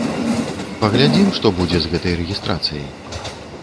Паглядзім, што будзе з гэтай рэгістрацыяй.